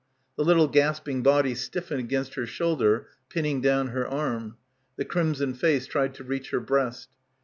The little gasping body stiffened against her shoul der, pinning down her arm. The crimson face tried to reach her breast.